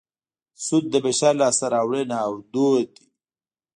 سود د بشر لاسته راوړنه او دود دی